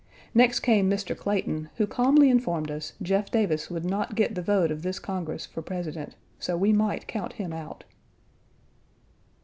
Next came Mr. Clayton, who calmly informed us Jeff Davis would not get the vote of this Congress for President, so we might count him out.